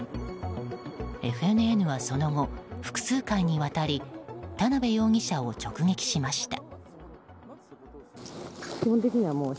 ＦＮＮはその後、複数回にわたり田辺容疑者を直撃しました。